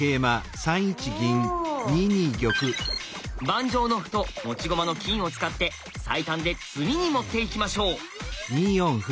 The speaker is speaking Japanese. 盤上の歩と持ち駒の金を使って最短で詰みに持っていきましょう！